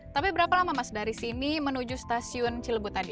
tapi berapa lama mas dari sini menuju stasiun cilebut tadi